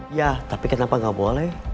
ya tapi kenapa gak boleh